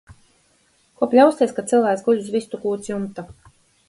Ko bļausties, kad cilvēks guļ uz vistu kūts jumta?